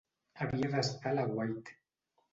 Havia d'estar a l'aguait.